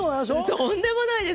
とんでもないです！